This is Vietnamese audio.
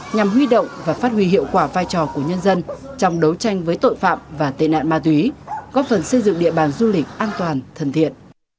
nhằm huy động và phát huy hiệu quả vai trò của nhân dân trong đấu tranh với tội phạm và tệ nạn ma túy góp phần xây dựng địa bàn du lịch an toàn thân thiện